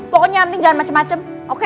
pokoknya mending jangan macem macem oke